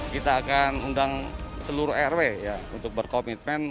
kita akan undang seluruh rw untuk berkomitmen